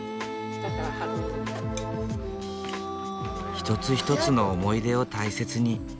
一つ一つの思い出を大切に。